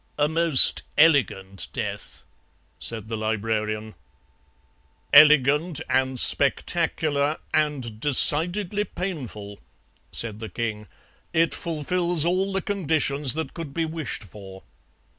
"'A most elegant death,' said the Librarian. "'Elegant and spectacular, and decidedly painful,' said the king; 'it fulfils all the conditions that could be wished for.'